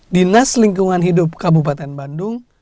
dinas lingkungan hidup kabupaten bandung